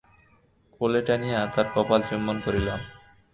কোলে টানিয়া তার কপাল চুম্বন করিলাম।